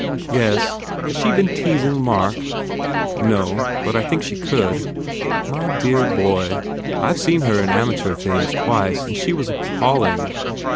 "Yes. Has she been teasing Mark " "No. But I think she could." "My dear boy, I ve seen her in amateur things twice and she was appalling!